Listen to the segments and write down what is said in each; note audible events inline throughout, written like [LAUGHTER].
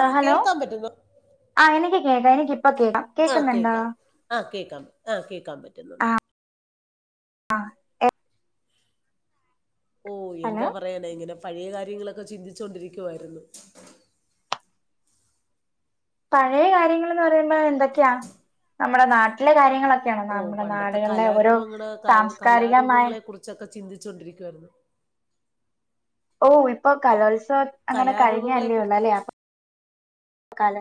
ആ ഹലോ കേൾക്കാൻ പറ്റുന്നോ ആ എനിക്ക് കേക്കാം എനിക്കിപ്പ കേക്കാം ആ കേക്കുന്നുണ്ടോ കേൾക്കാം ആ കേൾക്കാം ആ കേൾക്കാൻ ആ പറ്റുന്നുണ്ട് ആഹ ഓ എന്തോ പറയാനേ ഇങ്ങനെ പഴയ കാര്യങ്ങളൊക്കെ ചിന്തിച്ചൊണ്ടിരിക്കുവായിരുന്നു പഴയ കാര്യങ്ങളന്ന് പറയ് എന്തൊക്കെയാ നമ്മുടെ നാട്ടിലെ കാര്യങ്ങ ഓ പണ്ടത്തെ കലാരൂപങ്ങള് ക സാംസ്കാരികമായ കലാരൂപങ്ങളെ കുറിച്ചൊക്കെ ചിന്തിച്ച ചോണ്ടിരിക്കുവായിരുന്നു. ഓ ഇപ്പൊ കലോത്സവം അങ്ങനെ കലാരൂപങ്ങളെ കഴിഞ്ഞല്ലേള്ളൂ കുറിച്ച് അല്ലേ അപ്പ കല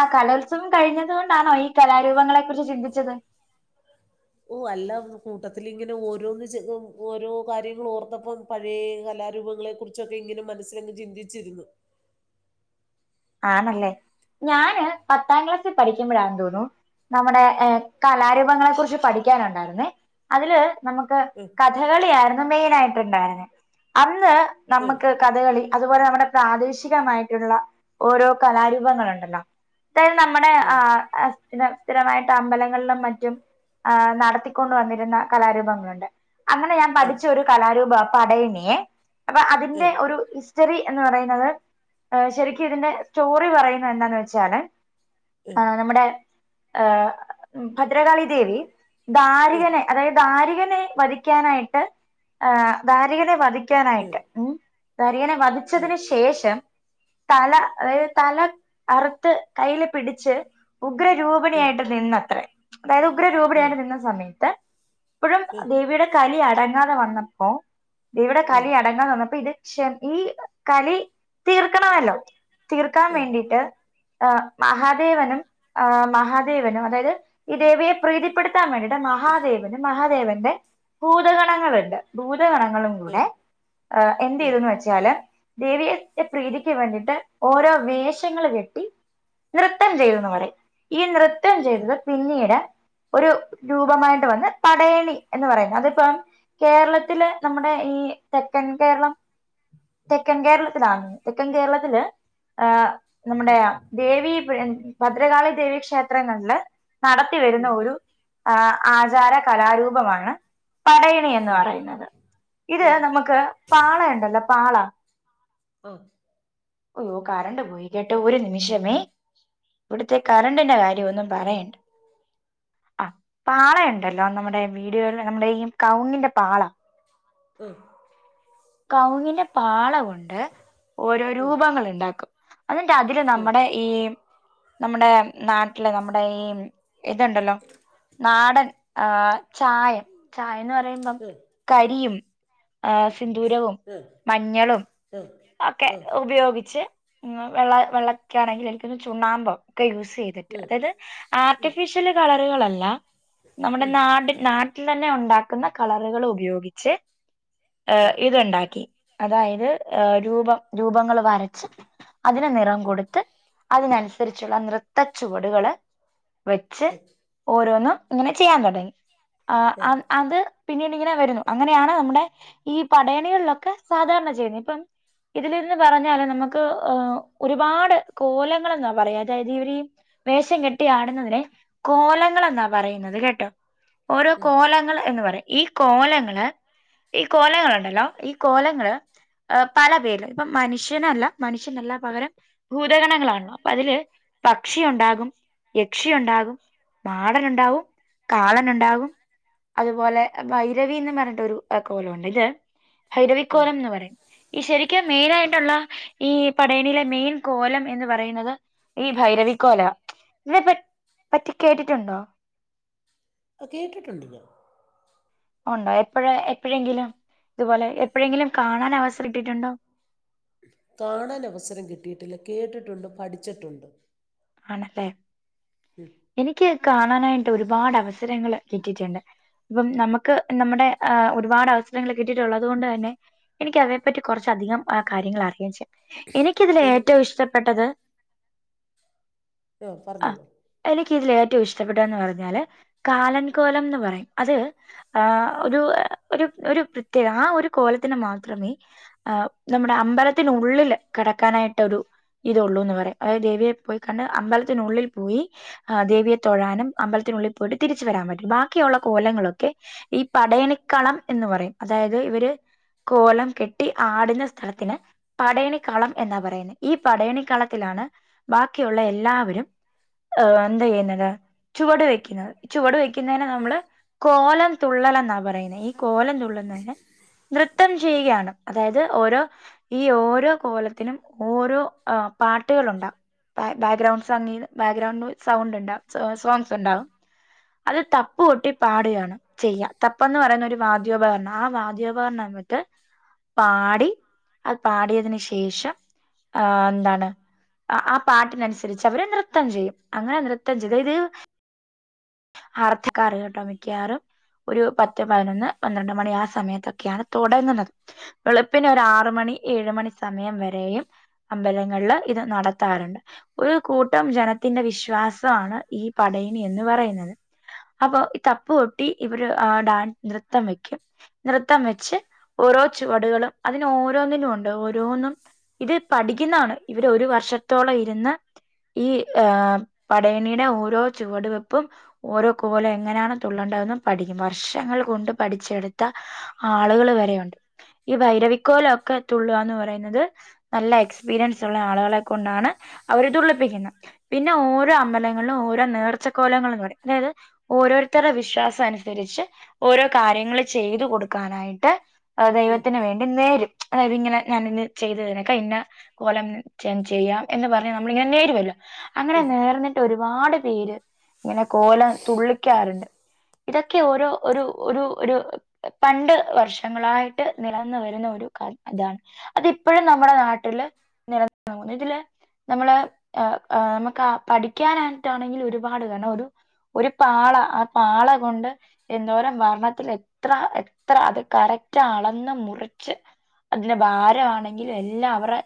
ആ കലോത്സവം കഴിഞ്ഞതുകൊണ്ടാണോ ഈ കലാരൂപങ്ങളെ കുറിച്ച് ചിന്തിച്ചത്? ഓ അല്ല കൂട്ടത്തിൽ ഇങ്ങനെ ഓരോന്ന് ചിന് ഓരോ കാര്യങ്ങൾ ഓർത്തപ്പം പഴയ കലാരൂപങ്ങളെ കുറിച്ചൊക്കെ ഇങ്ങനെ മനസ്സിലങ്ങ് ചിന്തിച്ചിരുന്നു. ആണല്ലേ ഞാന് പത്താം ക്ലാസ്സിൽ പഠിക്കുമ്പോഴാന്ന് തോന്നുന്നു നമ്മുടെ കലാരൂപങ്ങളെ കുറിച്ച് പഠിക്കാനുണ്ടായിരുന്നേ അതില് നമുക്ക് ഉം, കഥകളിയായിരുന്നു മെയിൻ ആയിട്ടുണ്ടായിരുന്നേ അന്ന് ഉം, നമുക്ക് കഥകളി അതുപോലെ നമ്മുടെ പ്രാദേശികമായിട്ടുള്ള ഓരോ കലാരൂപങ്ങളുണ്ടല്ലോ അതായത് നമ്മുടെ ആഹ് സ്ഥിരമായിട്ട് അമ്പലങ്ങളിലും മറ്റും ആ നടത്തിക്കൊണ്ട്‌ വന്നിരുന്ന കലാരൂപങ്ങളുണ്ട് അങ്ങനെ ഞാൻ പഠിച്ച ഒരു കലാരൂപ പടയണിയേ അപ്പൊ അതിന്റെ ഒരു ഇസ് ഹിസ്റ്ററി എന്ന് പറയുന്നത് ശരി ഇതിന്റെ സ്റ്റോറി പറയുന്ന എന്താന്ന് വെച്ചാല് ആഹ് നമ്മുടെ ആഹ് ഭദ്രകാളി ദേവി ദാരികനെ അതായത് ദാരികനെ വധിക്കാനായിട്ട് ദാരികനെ വധി ക്കാനായിട്ട് ഉം ധരികനെ വധിച്ചതിന് ശേഷം തല അതായത് തല അറ്ത്ത് കൈയ്യില് പിടിച്ച് ഉഗ്രരൂപണിയായിട്ട് നിന്നത്രേ അതായത് ഉഗ്രരൂപണിയായിട്ട് നിന്ന സമയത്ത് പ്പഴും ദേവിയുടെ കലി അട ങ്ങാതെ വന്നപ്പോ ദേവിയുടെ കലി അടങ്ങാതെ വന്നപ്പോ ഇത് ശ ഈ കളി തീർക്ക തീർക്കാൻ വേണ്ടിയിട്ട് ആ മഹാദേവനും ആ മഹാദേവനും അതായത് ഈ ദേവിയെ പ്രീതിപ്പെടുത്താൻ വേണ്ടിയിട്ട് മഹാദേവനും മഹാദേവന്റെ ഭൂത കണങ്ങള്ണ്ട് ഭൂതഗണങ്ങളും കൂടെ എന്ത് ചെയ്തുന്ന് വെച്ചാല് ദേവിയെ പ്രീതിക്ക് വേണ്ടി ഓരോ വേഷങ്ങള് കെട്ടി നൃത്തം ചെയ്തുന്ന് പറയും ഈ നൃത്തം ചെയ്തത് പിന്നീട് ഒരു രൂപമായിട്ട് വന്ന് പടയണി എന്ന് പറയുന്നത് അതിപ്പോം കേരളത്തില് നമ്മുടെ ഈ തെക്കൻ കേരളം തെക്കൻ കേരളത്തിലാണ് തെക്കൻ കേരളത്തി ത്ത്ല് ഹ നമ്മുടെ ദേവി ഭദ്രകാളി ദേവി ക്ഷേത്രങ്ങളില് നടത്തി വരുന്ന ഒരു ആ ആചാര കലാരൂപമാണ് പടയണി എന്ന് ഉം, പറയുന്നത് ഇത് ഉം, നമുക്ക് പാള ഉണ്ടല്ലോ പാള ആ, അയ്യോ കറണ്ട് പോയി കേട്ടോ ഒരു നിമിഷമേ ഇവിടുത്തെ കറണ്ടിന്റെ കാര്യം ഒന്നും പറയണ്ട ആ പാള ഉണ്ടല്ലോ നമ്മുടെ വീടുകളിൽ നമ്മുടെ ഈ കൗങ്ങിന്റെ പാള [UNINTELLIGIBLE] കുങ്ങിന്റെ പാള കൊണ്ട് ഓരോ ഉം, രൂപങ്ങൾ ഉണ്ടാക്കും എന്നിട്ട അതില് ഉം, നമ്മുടെ ഈ നമ്മുടെ നാട്ടിലെ നമ്മുടെ ഈ ഇതുണ്ടല്ലോ നാടൻ ആഹ ചായ ചായന്ന് പറയുമ്പം ഉം, കരിയും ആ സിന്ദൂരവും ഉം, മഞ്ഞളും ഉം, ഉം. ഒക്കെ ഉം. ഉപയോഗിച്ച് വെള്ള വെള്ളക്കാണെങ്കിൽ എ പിന്നെ ചുണ്ണാുമ്പോം യൂസ് ചെയ്തിട്ട് ഉം, അതായത് ആർട്ടിഫിഷ്യൽ കളറുകളല്ല നമ്മുടെ നാട് നാട്ടില തന്നെ ഉണ്ടാക്കുന്ന കളറുകൾ ഉപയോഗിച്ച് ഇത്ണ്ടാക്കി അതായ [UNINTELLIGIBLE] രൂപം രൂപങ്ങൾ വരച്ച് അതിനന് നിറം ഉം, കൊടുത്ത് അതിനനുസരി അനുസരിച്ചുള്ള നൃത്ത ചുവടുകള് വെച്ച് ഉം, ഓരോന്നും ഇങ്ങനെ ചെയ്യാൻ തുടങ്ങി ആ ഉം. അത് പിന്നെ ഇങ്ങനെ വരുന്നു അങ്ങനെയാണ് നമ്മുടെ ഈ പഠയണികളിലൊക്കെ സാധാരണ ചെയ്യുന്നത് ഇപ്പം ഇതിലിരുന്ന് പറഞ്ഞാലും നമുക്ക് ഒരുപാട് കോലങ്ങളെന്നാ പറയാ അതായത് ഇവരീ വേഷം കെട്ടിയാടുന്നതിന് കോലങ്ങൾ എന്നാ പറയുന്നത് കേട്ടോ ഓരോ കോലങ്ങൾ എന്ന് പറയും ഈ കോലങ്ങള് ഈ കോലങ്ങുണ്ടല്ലോ ഈ കോലങ്ങള് പല പേ പ്പ മനുഷ്യനല്ല മനുഷ്യനല്ല പകരം ഭൂതഗണങ്ങളാണോ അപ്പൊ അതില് പക്ഷി ഉണ്ടാകും യക്ഷി ഉണ്ടാകും മാടനുണ്ടാവും കാളശുണ്ടാകും അതുപോലെ ഭൈരവി എന്ന് പറഞ്ഞിട്ട് ഒരു കോലമുണ്ട് ഇത് ഭൈരവിക്കോലം എന്ന് പറയും ഈ ശരി മെയിനായിട്ടുള്ള ഈ പടയണിയിലെ മെയിൻ കോലം എന്ന് പറയുന്നത് ഈ ഭൈരവിക്കോല ഇതിനെ പ പറ്റി കേട്ടിട്ടുണ്ടോ ആ കേട്ടിട്ടുണ്ട് ഞ ഉണ്ടോ എപ്പഴ എപ്പോഴെങ്കിലും ഇതുപോലെ എപ്പോഴെങ്കിലും കാണാൻ അവസം ഇട്ടിട്ടുണ്ടോ കാണാന് അവസരം കിട്ടിയിട്ടില്ല കേട്ടിട്ടുണ്ട് പഠിച്ചിട്ടുണ്ട് അല്ലേ ഉം. എനിക്ക് കാണാനായി ഒരുപാട് അവസരങ്ങള് കിട്ടീട്ടിണ്ട് അപ്പം നമ്മക്ക് നമ്മുടെ ആ ഒരുപാട് അവസരങ്ങൾ കിട്ടിട്ടുള്ളത് കൊണ്ട് തന്നെ എനിക്കതെ പറ്റി കൊർച്ചധികം കാര്യങ്ങൾ അറിയെം ചെയ്യാം എനിക്കിതില് ഏറ്റോം എനിക്ക് ഇഷ്ടപ്പെട്ടത് ആഹ പറഞ്ഞോളൂ എക്ക് ഇതിൽ ഏറ്റവും ഇഷ്ടപ്പെട്ട എന്ന് പറഞ്ഞാല് കാലൻ കോലംന്ന് പറയും അത് ആ ഒരു ഒരു ഒരു പ്രത്യേകത ആ ഒരു കോലത്തിന് മാത്രമേ ഏ നമ്മുടെ അമ്പലത്തിനുള്ളിൽ കടക്കാനായിട്ട് ഒരു ഇതൊള്ളൂ ന്ന് പറിം അതായത് ദേവിയെ പോയി കണ് അമ്പലത്തിനുള്ളിൽ പോയി ഏ ദേവിയെ തൊഴാനും അമ്പലത്തിനുള്ളിൽ പോയിട്ട് തിരിച്ച് വരാൻ പറ്റും ബാക്കിയുള്ള കോലങ്ങളൊക്കെ ഈ പടയണി കളം എന്ന് പറയും അതായത് ഇവര് കോലം കെട്ടി ആടുന്ന സ്ഥലത്തിന് പടയണിക്ഖളം എന്നാ പറയുന്നെ ഈ പടയണി കളത്തിലാണ് ബാ ഉള്ള എല്ലാവരും ഏ എന്താ ചെയ്യുന്നത് ചുവടു വെക്കുന്നത് ചുവടു വെക്കുന്നേന് നമ്മള് കോലം തുള്ളലെന്നാ പറയുന്നെ ഈ കോലം തുള്ളുന്നെയ്ന് നൃത്തം ചെയ്യുകയാണ് അതായത് ഓരോ ഈ ഓരോ കോലത്തിനും ഓരോ ആ പാട്ടുകൾ ഒണ്ടവും [UNINTELLIGIBLE] ബാക്ക്ഗ്രൗൺ സംഗീ ബാക്ക്ഗ്രൗണ്ട് നോ സൗണ്ട് ഒണ്ട് സോങ്സ് ഉണ്ടാവും അത് തപ്പ്കൊട്ടി പാടുകയാണ് ചെയ്യാ തപ്പെന്ന് പറയുന്ന ഒരു വാദ്യോപകരണം ആ വാദ്യോപകരണം എന്നിട്ട് പാടി അത് പാടിയതിന് ശേഷം ആഹ്‌ എന്താണ് ആ പാട്ടിനനുസ രിച്ച് അവര് നൃത്തം ചെയ്യും അങ്ങനെ നൃത്തം ചെയ്ത ഇത് [UNINTELLIGIBLE] ട്ടോമിക്ക്യാറും ഒരു പത്ത് പതിനൊന്ന് പന്ത്രണ്ട് മണി ആ സമയത്തൊക്ക്യാണ് തൊടങ്ങുന്നത് വെളുപ്പിന് ഒരു ആറ് മണി ഏഴ് മണി സമയം വരേയും അമ്പലങ്ങൾല് ഇത് നടത്താറുണ്ട് ഒരു കൂട്ടം ജനത്തിന്റെ വിശ്വാസ്വാണ് ഈ പടയണി എന്ന് പറയുന്നത് അപ്പൊ തപ്പ് കൊട്ടി ഇവര് ഏ ഡാൻ നൃത്തം വെക്കും നൃത്തം വെച്ച് ഓരോ ചുവടുകളും അതിന് ഓരോന്നിനും ഒണ്ട് ഓരോന്നും ഇത് പഠിക്കുന്നാണ് ഇവര് ഒരു വർഷത്തോളം ഇ ഈ ഏ പടയണീടെ ഓരോ ചുവടുവെപ്പും ഓരോ കോലം എങ്ങനാണ് തുള്ളണ്ടേന്ന് പഠിക്കും വർഷങ്ങൾ കൊണ്ട് പഠിച്ചെടുത്ത ആളുകള് വരെയുണ്ട് ഈ ഭൈരവിക്കോല ഒക്കെ തുള്ളുകാന്ന് പറയുന്നത് നല്ല എക്സ്പീരിയൻസ് ഉള്ള ആളുകളെ കൊണ്ടാണ് അവര് തളിപ്പിക്കുന്നെ പിന്നെ ഓരോ അമ്പലങ്ങൾലും ഓരോ നേർച്ചക്കോലങ്ങള് ന്ന് പറിം അതായത് ഓരോര്ത്തരുടെ വിശ്വാസം അനുസരിച്ച് ഓരോ കാര്യങ്ങള് ചെയ്തു കൊടുക്കാനായിട്ട് ആ ഉം, ദൈവത്തിന് വേണ്ടി നേരും അതായത് ഇങ്ങനെ ഞാാനിത് ചെയ്തു തര ചെയ്തു കഴിഞ്ഞ കോലം ചെ ചെയ്യാം എന്ന് പറ നമ്മളിങ്ങനെ നേരിവല്ലോ അങ്ങനെ ഉം, നേർന്നിട്ട് ഒരുപാട് പേര് ഇങ്ങനെ കോലം തുള്ളിക്കാറുണ്ട് ഇതൊക്കെ ഓരോ ഒരു ഒരു ഒരു പണ്ട് വർഷങ്ങളായിട്ട് നിലന്ന് വരുന്ന ഒരു ക ഇതാണ് അതിപ്പോഴും നമ്മുടെ നാട്ടില് നിലാ നിന്ന് പോന്നു ഇതില് നമ്മള് ആഹ്‌ അഹ് നമുക്ക് പഠിക്കാനാണ് ട്ടണെങ്കിൽ ഒരുപാട് കാണും ഒരു പാള ആഹ് പാള കൊണ്ട് എന്തോരം വരണത്തിൽ എത്ര എത്ര അത് കറക്റ്റ് അളന്ന് മുറിച്ച് അതിന്റെ ഭാരമാണെങ്കിൽ എല്ലാം അവർടെ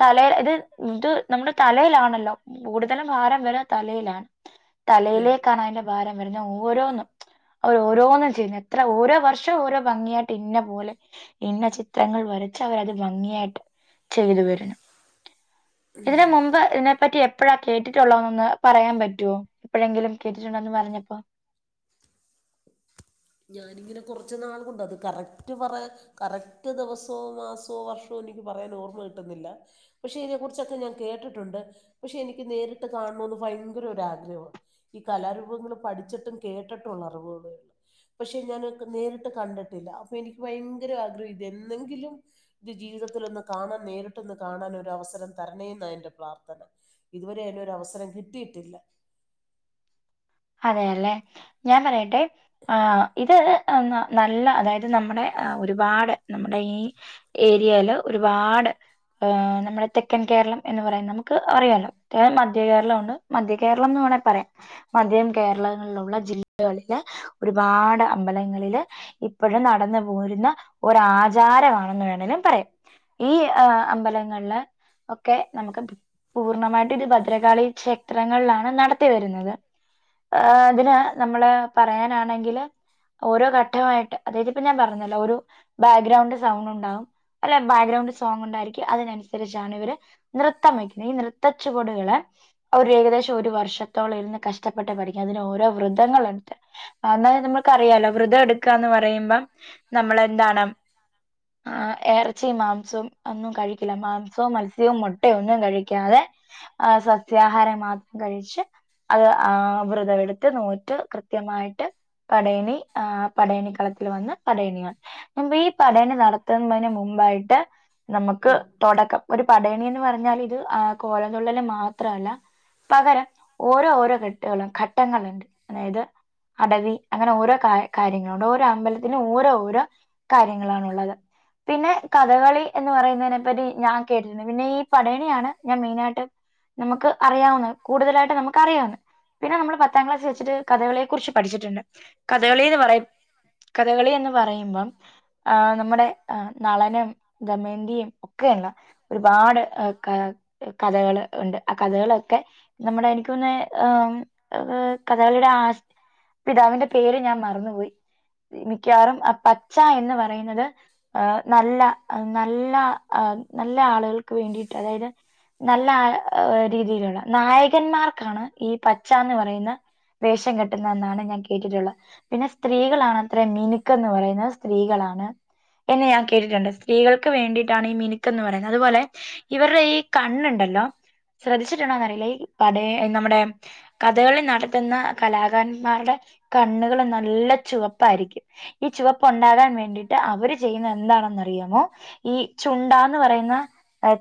തലേ ഇത് ഇത് നമ്മടെ തലയിലാണല്ലോ കൂടുതലും ഭാരം വരെ തലയിലാണ് ഉം. തലയിലേക്കാണ് അതിന്റെ ഭാരം വരുന്ന ഓരോന്നും അവർോഓരോന്നും ചെയ്യുന്നു എത്ര ഓരോ വർഷം ഓരോ ഭംഗിയായിട്ട് ഇന്ന പോലെ ഇന്ന ചിത്രങ്ങൾ വരച്ച് അവരത് ഭംഗിയായിട്ട് ചെയ്തു വരുന്നു ഇതിന് മുമ്പ് ഇതിനെപ്പറ്റി എപ്പ് എപ്പോഴാ കേട്ടിട്ടുളേ ന്ന് ഒന്ന് പറയാൻ പറ്റുവോ എപ്പോഴെങ്കിലും കേട്ടിട്ടുണ്ടോന്ന് പറഞ്ഞപ്പോ ഞാനിങ്ങനെ കുറച്ച് നാൾ കൊണ്ട് അത് കറക്റ്റ് പറയാ കറക്റ്റ് ദിവസോ മാസോ വർഷോ എനിക്ക് പറയാൻ ഓർമ കിട്ടുന്നില്ല പക്ഷെ ഇതിനെ കുറിച്ചൊക്കെ ഞാൻ കേട്ടിട്ടുണ്ട് പക്ഷെ എനിക്ക് നേരിട്ട് കാണണെന്ന് ഭയങ്കര ഒരുരാഗ്രഹമാണ് ഈ കലാരൂപങ്ങള്ൾ പഠിച്ചിട്ടും കേട്ടിട്ടുള്ള അറിവുകളേ ഉള്ളു പക്ഷെ ഞാൻ നേരിട്ട് കണ്ടിട്ടില്ല അപ്പൊ എനിക്ക് ഭയങ്കര ആഗ്രഹം ഇത് എന്നെങ്കിലും ഇത് ജീവിതത്തിലൊന്ന് കാണാൻ നേരിട്ടൊന്ന് കാണാൻ ഒരു അവസരം തരണേെന്ന എൻന്റെ പ്രാർത്ഥന ഇതുവരെ അതിനോരവസരം കിട്ടിയിട്ടില്ല അതെല്ലെ ഞാൻ പറയട്ടെ ആ ഇത് നല്ല അതായത് നമ്മുടെ ഒരുപാട് നമ്മുടെ ഈ ഏരിയയില് ഒരുപാട് ഏർ നമ്മുടെ തെക്കൻ കേരളം എന്ന് പറയാൻ നമുക്ക് അറിയല്ലോ മധ്യ കേരളം ഉണ്ട് മധ്യ കേരളം എന്ന് വേണെങ്കിൽ പറയാ മധ്യം കേരളങ്ങളിലുള്ള ജില്ലകളില് ഒരുപാട് അമ്പലങ്ങളില് ഇപ്പോഴും നടന്നു പോരുന്ന ഒരാചാരമാണെന്ന് വേണമെങ്കിലും പറയാം ഈ അമ്പലങ്ങളില് ഒക്കെ നമുക്ക് പൂർണ്ണമായിട്ടും ഇത് ഭദ്രകാളി ക്ഷേത്രങ്ങളിലാണ് നടത്തി വരുന്നത് ഇതിന് നമ്മള് പറയാനാണെങ്കില് ഓരോ ഘട്ടമായിട്ട് അതായത് ഇപ്പ ഞാൻ പറഞ്ഞല്ലോ ഒരു ബാക്ക്ഗ്രൗണ്ട് സൗണ്ട് ഉണ്ടാവും അല്ലെ ബാക്ക്ഗ്രൗണ്ട് സോങ് ണ്ടായിരിക്കും അതിനനുസരിച്ചാണ് ഇവര് നൃത്തം വെക്കുന്നത് ഈ നൃത്തച്ചുവടുകള് അവ ഏകദേശം ഒരു വർഷത്തോളം ഇരുന്ന് കഷ് ഷ്ടപ്പെട്ട് പഠിക്ക അതിനന് ഓരോ വ്രതങ്ങളൾ എടു എന്നാല നമ്മുക്കറിയാലോ വ്രതം എടുക്കുകാന്നു പറയുമ്പം നമ്മളെന്താണ് ആ ഇറച്ചി മാംസം ഒന്നും കഴിക്കില്ല മാംസവും മത്സ്യവും മുട്ടയും ഒന്നും കഴിക്കാതെ സസ്യാഹാരം മാത്രം കഴിച്ച് അത് ആ വ്രതമെടുത്ത് നോറ്റ് കൃത്യമായിട്ട് പടയണി പടയണിക്കളത്തിൽ വന്ന് പടയണിയാണ് ഈ പടയണി നടത്തുന്നതിന് മുമ്പായിട്ട് നമുക്ക് ഉം, തുടക്കം ഒരു പടയണി എന്ന് പറഞ്ഞാൽ ഇത് ആ കോലംതുള്ളല് മാത്രല്ല പകരം ഓരോ ഓരോഘട്ട് ളം ഘട്ടങ്ങളുണ്ട് അതായത് അടവി അങ്ങനെ ഓരോ കാര്യങ്ങൾ ഓരോ അമ്പലത്തിനും ഓരോ ഓരോ കാര്യങ്ങളാണുള്ളത് പിന്നെ കഥകളി എന്ന് പറയുന്നതിനെ പറ്റി ഞാൻ കേട്ടിട്ടുണ്ട് പിന്നെ ഈ പടയണിയാണ് ഞാൻ മെയിനായിട്ട് നമുക്ക് അറിയാവുന്ന കൂടുതലായിട്ട് നമുക്ക് അറിയാവുന്ന പിന്നെ നമ്മള് പത്താം ക്ലാസ് വെച്ചിട്ട് കഥകളിയെ കുറിച്ച് പഠിച്ചിട്ടുണ്ട് കഥകളിന്ന് പറയു കഥകളി എന്ന് പറയുമ്പം ആ നമ്മുടെ നളനും ദമയന്തിയും ഒക്കെയുള്ള ഒരുപാട് കഥകൾ ഉണ്ട് ആ കഥകളൊക്കെ നമ്മുടെ എനിക്ക് തോന്നുന്നു കഥകളിയുടെ ആ പിതാവിന്റെ പേര് ഞാൻ മറന്നുപോയി മിക്കവാറും പച്ച എന്ന് പറയുന്നത് നല്ല നല്ല നല്ല ആളുകൾക്ക് വേണ്ടിയിട്ട് അതായത് നല്ല രീതിയിലുള്ള നായകന്മാർക്കാണ് ഈ പച് പച്ചാന്ന് ന് പറയുന്ന വേഷം കെട്ടുന്ന എന്നാണ് ഞാൻ കേട്ടിട്ടുള്ളത് പിന്നെ സ്ത്രീകളാണ് അത്ര മിനുക്കന്ന് പറയുന്നത് സ്ത്രീകളാണ് എന്ന് ഞാൻ കേട്ടിട്ടുണ്ട് സ്ത്രീകൾക്ക് വേണ്ടിട്ടാണ് ഈ മിനുക്കന്ന് പറയുന്നത് അതുപോലെ ഇവരുടെ ഈ കണ്ണുണ്ടല്ലോ ശ്രദ്ധിച്ചിട്ടുണ്ടോന്ന് അറിയില്ല ഈ പട നമ്മുടെ കഥകളി നടത്തുന്ന കലാകാരന്മാരുടെ കണ്ണുകൾ നല്ല ചുവപ്പ ആയിരിക്കും ഈ ചുവപ്പ് ഉണ്ടാകാൻ വേണ്ടിട്ട് അവര് ചെയ്യുന്ന എന്താണെന്നറിയാമോ ഈ ചുണ്ടാന്ന് പറയുന്ന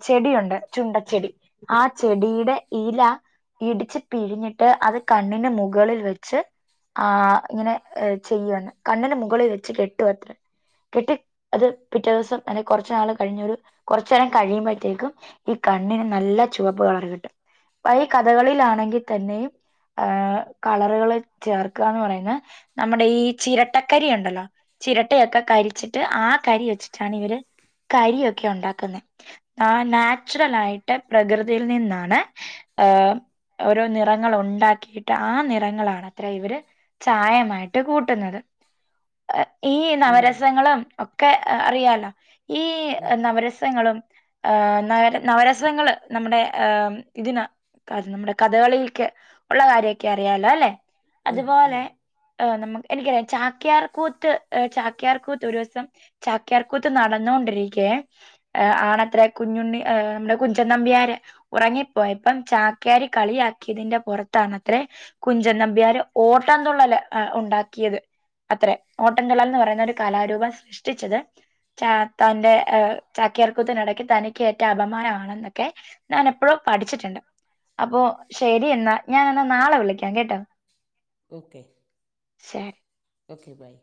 ചെടിയുണ്ട് ചുണ്ട ചെടി ആ ചെടിയുടെ ഇല ഇടിച്ച് പിഴിഞ്ഞ് അത് കണ്ണിന് മുകളിൽ വെച്ച് ആ ഇങ്ങനെ ചെയ്യാണ് കണ്ണിന് മുകളിൽ വെച്ച് കെട്ടുമത്ര കെട്ടി അത് പിറ്റേ ദിവസം അല്ലെങ്കി കുറച്ചു നാള് കഴിഞ്ഞൊ ഒരു കുറച്ച നേരം കഴിയുമ്പോഴത്തേക്കും ഈ കണ്ണിന് നല്ല ചുവപ്പ് കളർ കിട്ടും അപ്പ ഈ കഥകളിലാണെങ്കി തന്നെയും ആ കളറുകൾ ചേർകാന്ന് പറയുന്ന നമ്മുടെ ഈ ചിരട്ടക്കരി ഉണ്ടല്ലോ ചിരട്ടയൊക്കെ കരിച്ചിട്ട് ആ കരി വെച്ചിട്ടാണ് ഇവര് കരിയൊക്കെ ഉണ്ടാക്കുന്നെ ആ നാച്ചുറൽ ആയിട്ട് പ്രകൃതിയിൽ നിന്നാണ്ഓ ഓരോ നിറ ങ്ങൾ ഉണ്ടാക്കിട്ട് ആ നിറങ്ങളാണത്രേ ഇവര് ചായമായിട്ട് കൂട്ടുന്നത്. ഈ ഉം, നവരസങ്ങളും ഒക്കെ അറിയാലോ ഈ ഉം, നവരസങ്ങളും ഏ നവര നവരസങ്ങള് നമ്മുടെ അം ഇതിന് കരണം നമ്മുടെ കഥകളിൽക്ക് ഒള്ള കാര്യൊക്കെ അറിയാലോല്ലെ? ഉം, ഉം. അതുപോലെഎ നമക്ക് എനിക്കറിയാം ചാക്യാർകൂത്ത് ചാക്യാർകൂത്ത് ഒരുസം ചാക്യാർകൂത്ത് നടന്നോണ്ടിരിക്കേ എ ആണത്ര കുഞ്ഞുണ്ണി നമ്മടെ കുഞ്ചൻനമ്പിയാര് ഉറങ്ങിപ്പോയപ്പം ചാക്ക്യര് കളിയാക്കിയതിന്റെ പുറത്താണത്രേ കുഞ്ചൻ നമ്പ്യര് ഓട്ടം തുള്ളല് അ ഉണ്ടാക്കിയത് അത്രേ ഓട്ടംതുള്ളൽന്ന് പറയുന്ന ഒരു കലാരൂപം സൃഷ്ടിച്ചത്ചാർത്ത ന്റെ ചക്യാർകൂത്തിനിടെ തനിക്കേറ്റ അപമാനമാണെന്നൊക്കെ ഞാൻ എപ്പോഴോ പഠിച്ചിട്ടുണ്ട് അപ്പോ ശെരി എന്നാ. ഞാനെന്ന നാളെ വിളിക്കാം കേട്ടോ? ഓക്കെ ശെ ഓക്കെ ബൈ.